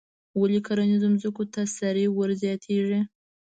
ولې کرنیزو ځمکو ته سرې ور زیاتیږي؟